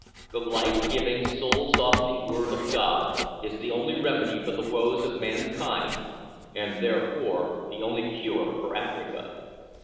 The life giving, soul softening Word of God, is the only remedy for the woes of mankind, and, therefore, the only cure for Africa.